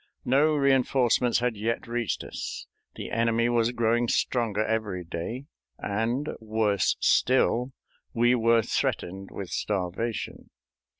No re enforcements had yet reached us, the enemy was growing stronger every day, and, worse still, we were threatened with starvation.